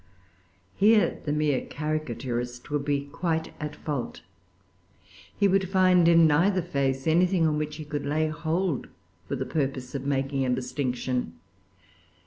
Here the mere caricaturist would be quite at fault. He would find in neither face anything on which he could lay hold for the purpose of making a distinction.